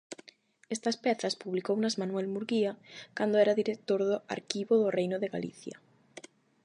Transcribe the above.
Estas pezas publicounas Manuel Murguía cando era director do Arquivo do Reino de Galicia.